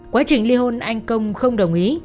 quá trình li hôn anh công không đồng ý